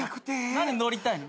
何で乗りたいの？